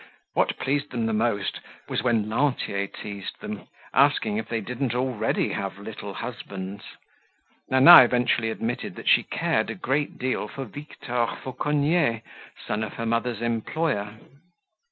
What pleased them the most was when Lantier teased them, asking if they didn't already have little husbands. Nana eventually admitted that she cared a great deal for Victor Fauconnier, son of her mother's employer.